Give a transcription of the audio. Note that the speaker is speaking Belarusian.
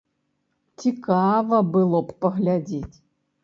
Цікава было б паглядзець.